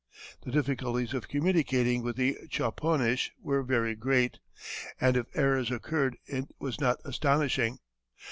The difficulties of communicating with the Chopunish were very great, and if errors occurred it was not astonishing.